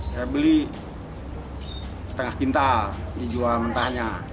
saya beli setengah kintal dijual mentahnya